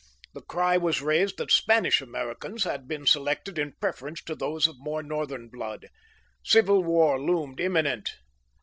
The cry was raised that Spanish Americans had been selected in preference to those of more northern blood. Civil war loomed imminent.